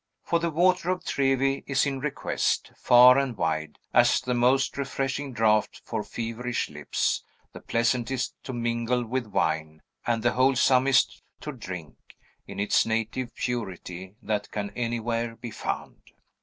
For the water of Trevi is in request, far and wide, as the most refreshing draught for feverish lips, the pleasantest to mingle with wine, and the wholesomest to drink, in its native purity, that can anywhere be found.